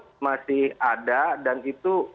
itu masih ada dan itu